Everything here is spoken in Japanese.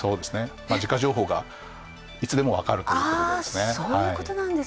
時価情報がいつでも分かるということですね。